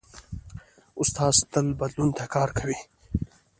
استاد تل بدلون ته کار کوي.